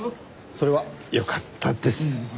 それはよかったです。